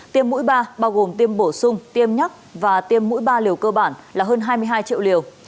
tiêm mũi ba bao gồm tiêm bổ sung tiêm nhắc và tiêm mũi ba liều cơ bản là hơn hai mươi hai triệu liều